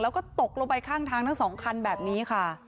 แล้วก็ตกลงไปข้างทางทั้งสองคันแบบนี้ค่ะ